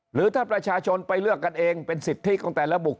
หรือถ้าประชาชนไปเลือกกันเองเป็นสิทธิของแต่ละบุค